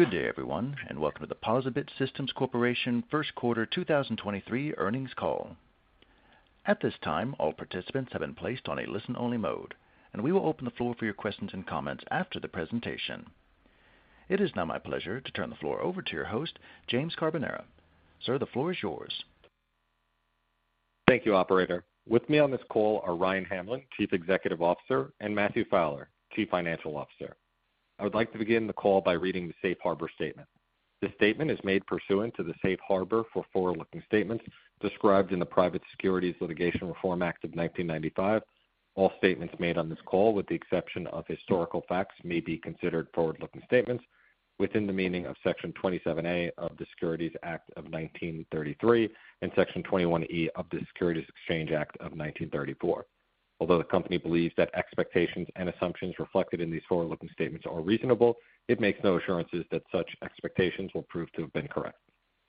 Good day, everyone, and welcome to the POSaBIT Systems Corporation Q1 2023 Earnings Call. At this time, all participants have been placed on a listen-only mode, and we will open the floor for your questions and comments after the presentation. It is now my pleasure to turn the floor over to your host, James Carbonara. Sir, the floor is yours. Thank you, operator. With me on this call are Ryan Hamlin, Chief Executive Officer, and Matthew Fowler, Chief Financial Officer. I would like to begin the call by reading the Safe Harbor statement. This statement is made pursuant to the Safe Harbor for forward-looking statements described in the Private Securities Litigation Reform Act of 1995. All statements made on this call, with the exception of historical facts, may be considered forward-looking statements within the meaning of Section 27A of the Securities Act of 1933 and Section 21E of the Securities Exchange Act of 1934. Although the company believes that expectations and assumptions reflected in these forward-looking statements are reasonable, it makes no assurances that such expectations will prove to have been correct.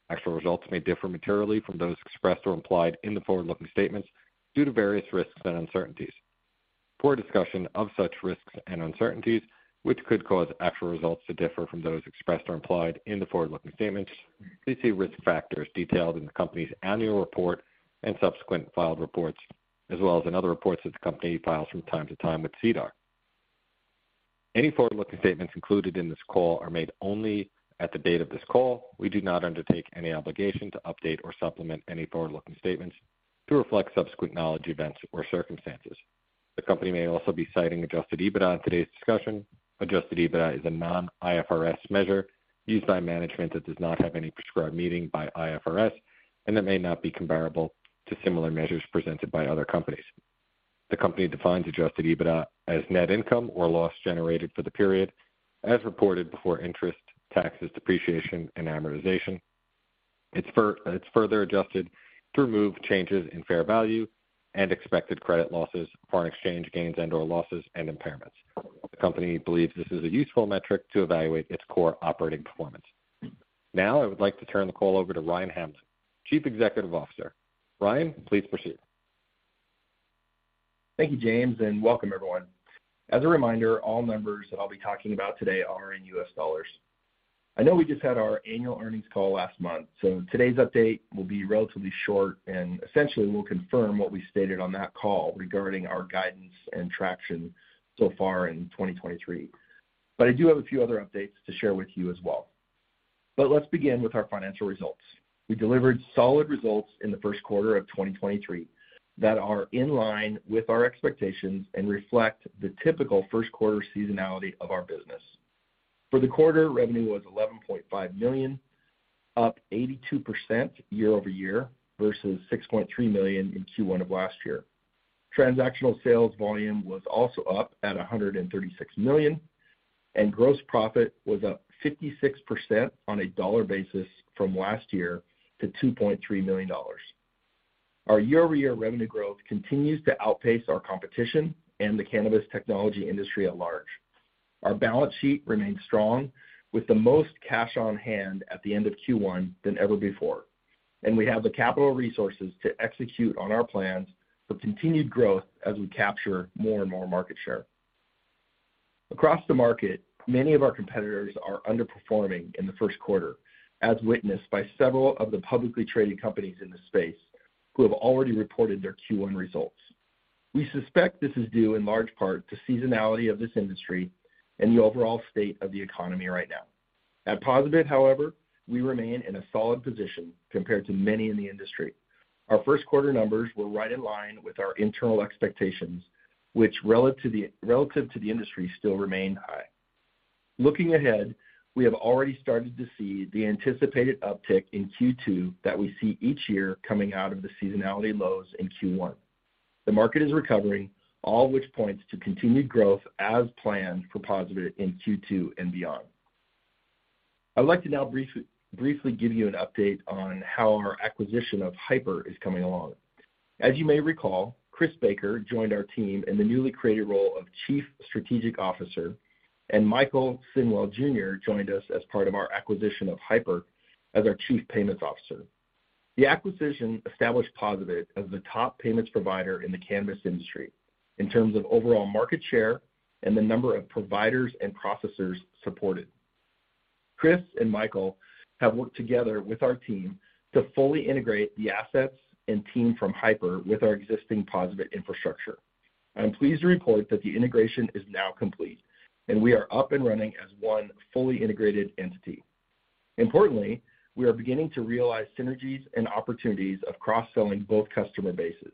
Actual results may differ materially from those expressed or implied in the forward-looking statements due to various risks and uncertainties. For a discussion of such risks and uncertainties, which could cause actual results to differ from those expressed or implied in the forward-looking statements, please see risk factors detailed in the company's annual report and subsequent filed reports, as well as in other reports that the company files from time to time with SEDAR. Any forward-looking statements included in this call are made only at the date of this call. We do not undertake any obligation to update or supplement any forward-looking statements to reflect subsequent knowledge, events, or circumstances. The company may also be citing Adjusted EBITDA in today's discussion. Adjusted EBITDA is a non-IFRS measure used by management that does not have any prescribed meaning by IFRS and that may not be comparable to similar measures presented by other companies. The company defines Adjusted EBITDA as net income or loss generated for the period, as reported before interest, taxes, depreciation, and amortization. It's further adjusted to remove changes in fair value and expected credit losses, foreign exchange gains and/or losses, and impairments. The company believes this is a useful metric to evaluate its core operating performance. I would like to turn the call over to Ryan Hamlin, Chief Executive Officer. Ryan, please proceed. Thank you, James. Welcome everyone. As a reminder, all numbers that I'll be talking about today are in U.S. dollars. I know we just had our annual earnings call last month. Today's update will be relatively short and essentially will confirm what we stated on that call regarding our guidance and traction so far in 2023. I do have a few other updates to share with you as well. Let's begin with our financial results. We delivered solid results in Q1 of 2023 that are in line with our expectations and reflect the typical Q1 seasonality of our business. For the quarter, revenue was $11.5 million, up 82% year-over-year versus 6.3 million in Q1 of last year. Transactional sales volume was also up at $136 and gross profit was up 56% on a dollar basis from last year to 2.3 million. Our year-over-year revenue growth continues to outpace our competition and the cannabis technology industry at large. Our balance sheet remains strong, with the most cash on hand at the end of Q1 than ever before, and we have the capital resources to execute on our plans for continued growth as we capture more and more market share. Across the market, many of our competitors are underperforming in Q1, as witnessed by several of the publicly traded companies in this space who have already reported their Q1 results. We suspect this is due in large part to seasonality of this industry and the overall state of the economy right now. At POSaBIT, however, we remain in a solid position compared to many in the industry. Our Q1 numbers were right in line with our internal expectations, which relative to the industry, still remain high. Looking ahead, we have already started to see the anticipated uptick in Q2 that we see each year coming out of the seasonality lows in Q1. The market is recovering, all which points to continued growth as planned for POSaBIT in Q2 and beyond. I'd like to now briefly give you an update on how our acquisition of Hypur is coming along. As you may recall, Chris Baker joined our team in the newly created role of Chief Strategic Officer, and Michael J. Sinnwell, Jr. joined us as part of our acquisition of Hypur as our Chief Payments Officer. The acquisition established POSaBIT as the top payments provider in the cannabis industry in terms of overall market share and the number of providers and processors supported. Chris and Michael have worked together with our team to fully integrate the assets and team from Hypur with our existing POSaBIT infrastructure. I am pleased to report that the integration is now complete, and we are up and running as one fully integrated entity. Importantly, we are beginning to realize synergies and opportunities of cross-selling both customer bases.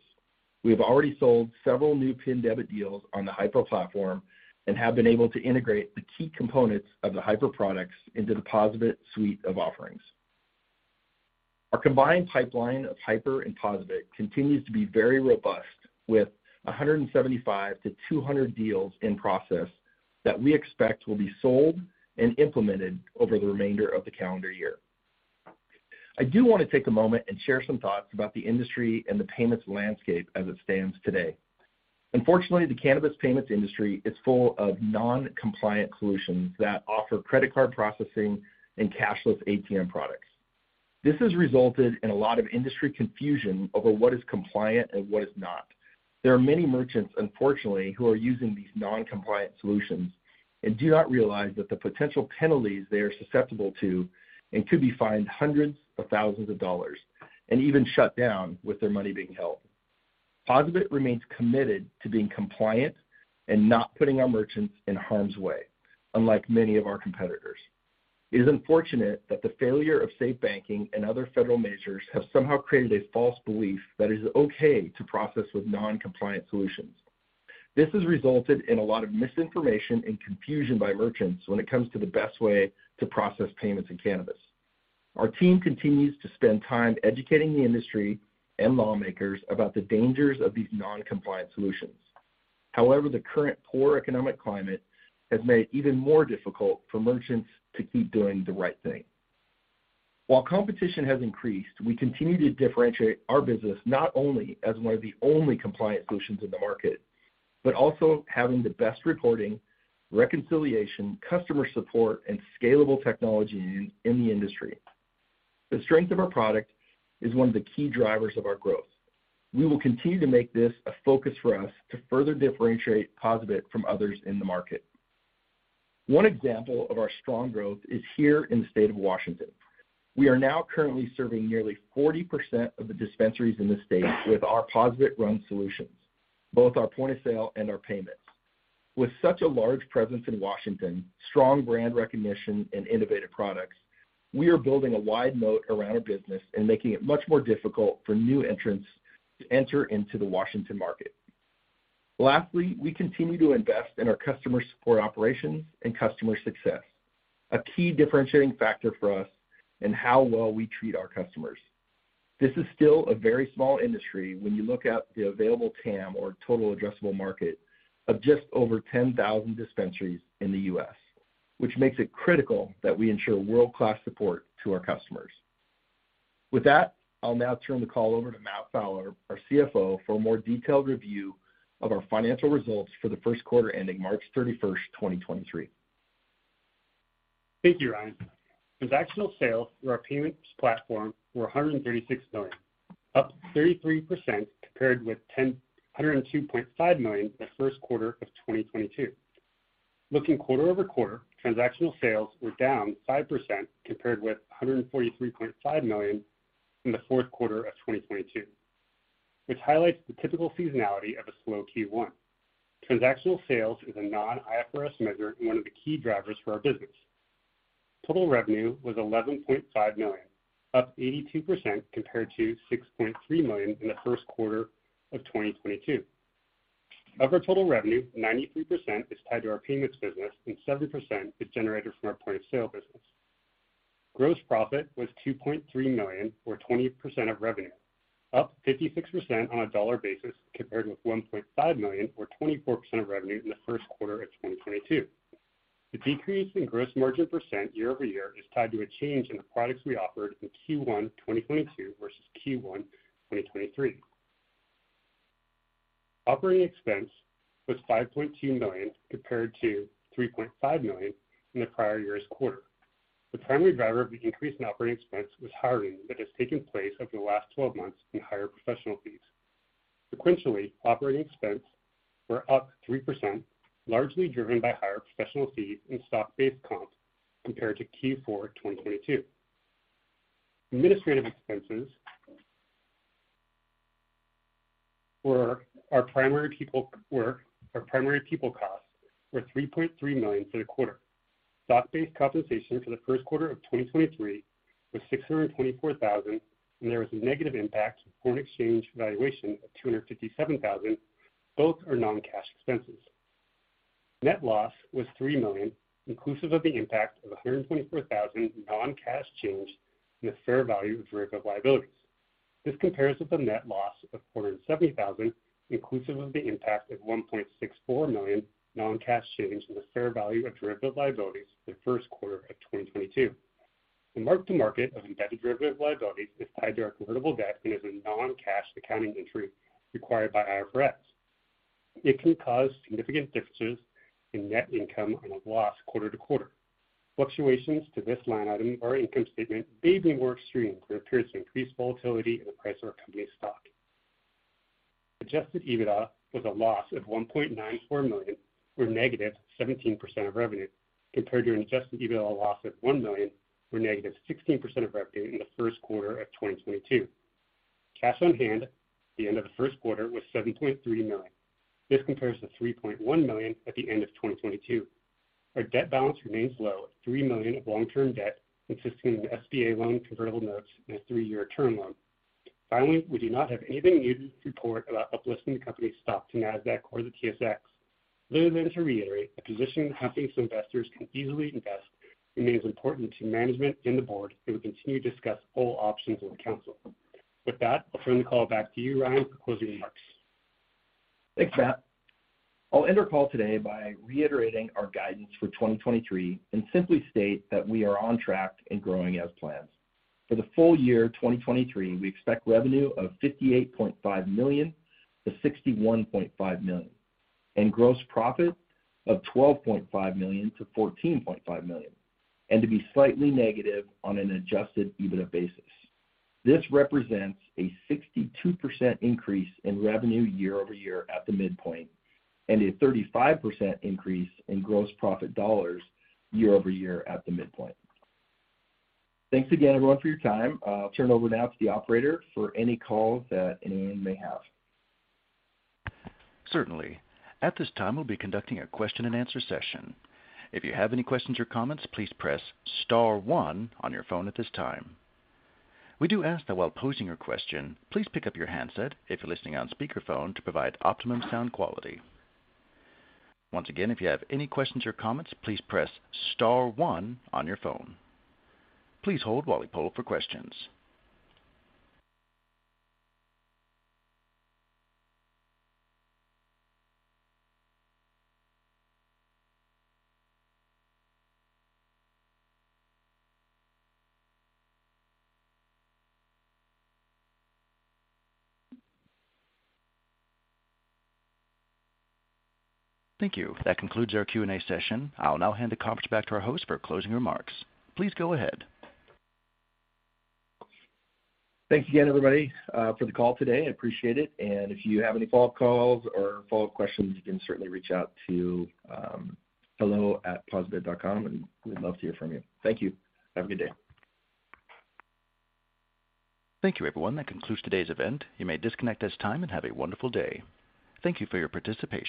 We have already sold several new PIN debit deals on the Hypur platform and have been able to integrate the key components of the Hypur products into the POSaBIT suite of offerings. Our combined pipeline of Hypur and POSaBIT continues to be very robust, with 175-200 deals in process that we expect will be sold and implemented over the remainder of the calendar year. I do want to take a moment and share some thoughts about the industry and the payments landscape as it stands today. Unfortunately, the cannabis payments industry is full of non-compliant solutions that offer credit card processing and cashless ATM products. This has resulted in a lot of industry confusion over what is compliant and what is not. There are many merchants, unfortunately, who are using these non-compliant solutions and do not realize that the potential penalties they are susceptible to and could be fined hundreds of thousands of dollars and even shut down with their money being held. POSaBIT remains committed to being compliant and not putting our merchants in harm's way, unlike many of our competitors. It is unfortunate that the failure of SAFE Banking and other federal measures have somehow created a false belief that it is okay to process with non-compliant solutions. This has resulted in a lot of misinformation and confusion by merchants when it comes to the best way to process payments in cannabis. Our team continues to spend time educating the industry and lawmakers about the dangers of these non-compliant solutions. However, the current poor economic climate has made it even more difficult for merchants to keep doing the right thing. While competition has increased, we continue to differentiate our business, not only as one of the only compliant solutions in the market, but also having the best reporting, reconciliation, customer support, and scalable technology in the industry. The strength of our product is one of the key drivers of our growth. We will continue to make this a focus for us to further differentiate POSaBIT from others in the market. One example of our strong growth is here in the state of Washington. We are now currently serving nearly 40% of the dispensaries in the state with our POSaBIT-run solutions, both our point of sale and our payments. With such a large presence in Washington, strong brand recognition, and innovative products, we are building a wide moat around our business and making it much more difficult for new entrants to enter into the Washington market. We continue to invest in our customer support operations and customer success, a key differentiating factor for us in how well we treat our customers. This is still a very small industry when you look at the available TAM, or total addressable market, of just over 10,000 dispensaries in the U.S., which makes it critical that we ensure world-class support to our customers. With that, I'll now turn the call over to Matt Fowler, our CFO, for a more detailed review of our financial results for Q1 ending March 31, 2023. Thank you, Ryan. Transactional sales through our payments platform were $136 up 33% compared with 102.5 million Q1 of 2022. Looking quarter-over-quarter, transactional sales were down 5% compared with $143.5 million in Q4 of 2022, which highlights the typical seasonality of a slow Q1. Transactional sales is a non-IFRS measure and one of the key drivers for our business. Total revenue was $11.5 up 82% compared to 6.3 million in Q1 of 2022. Of our total revenue, 93% is tied to our payments business, and 70% is generated from our point-of-sale business. Gross profit was $2.3 or 20% of revenue, up 56% on a dollar basis compared with 1.5 million, or 24% of revenue, in Q1 of 2022. The decrease in gross margin percent year-over-year is tied to a change in the products we offered in Q1 2022 versus Q1 2023. Operating expense was $5.2 compared to 3.5 million in the prior year's quarter. The primary driver of the increase in operating expense was hiring that has taken place over the last 12 months in higher professional fees. Sequentially, operating expense were up 3%, largely driven by higher professional fees and stock-based comp compared to Q4 2022. Administrative expenses for our primary people costs were $3.3 million for the quarter. Stock-based compensation for Q1 of 2023 was $624,000, there was a negative impact to foreign exchange valuation of $257,000. Both are non-cash expenses. Net loss was $3 million, inclusive of the impact of $124,000 non-cash change in the fair value of derivative liabilities. This compares with a net loss of $470,000, inclusive of the impact of $1.64 million non-cash change in the fair value of derivative liabilities Q1 of 2022. The mark-to-market of embedded derivative liabilities is tied to our convertible debt and is a non-cash accounting entry required by IFRS. It can cause significant differences in net income and a loss quarter to quarter. Fluctuations to this line item or income statement may be more extreme during periods of increased volatility in the price of our company's stock. Adjusted EBITDA was a loss of $1.94 million, or -17% of revenue, compared to an Adjusted EBITDA loss of 1 million, or -16% of revenue, in Q1 of 2022. Cash on hand at the end of Q1 was $7.3 million. This compares to $3.1 million at the end of 2022. Our debt balance remains low at $3 million of long-term debt, consisting of an SBA loan, convertible notes, and a three-year term loan. Finally, we do not have anything new to report about uplifting the company's stock to Nasdaq or the TSX, other than to reiterate the position can easily invest remains important to management and the board, and we continue to discuss all options with counsel. With that, I'll turn the call back to you, Ryan, for closing remarks. Thanks, Matt. I'll end our call today by reiterating our guidance for 2023 and simply state that we are on track and growing as planned. For the full year 2023, we expect revenue of $58.5-61.5 million, and gross profit of $12.5-14.5 million, and to be slightly negative on an Adjusted EBITDA basis. This represents a 62% increase in revenue year-over-year at the midpoint, and a 35% increase in gross profit dollars year-over-year at the midpoint. Thanks again, everyone, for your time. I'll turn it over now to the operator for any calls that anyone may have. Certainly. At this time, we'll be conducting a question-and-answer session. If you have any questions or comments, please press star one on your phone at this time. We do ask that while posing your question, please pick up your handset if you're listening on speakerphone to provide optimum sound quality. Once again, if you have any questions or comments, please press star one on your phone. Please hold while we poll for questions. Thank you. That concludes our Q&A session. I'll now hand the conference back to our host for closing remarks. Please go ahead. Thanks again, everybody, for the call today. I appreciate it. If you have any follow-up calls or follow-up questions, you can certainly reach out to hello@posabit.com, and we'd love to hear from you. Thank you. Have a good day. Thank you, everyone. That concludes today's event. You may disconnect at this time and have a wonderful day. Thank you for your participation.